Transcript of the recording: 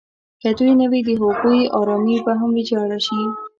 که دوی نه وي د هغوی ارامي به هم ویجاړه شي.